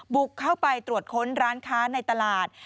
บุกเข้าไปตรวจค้นร้านค้าในตลาด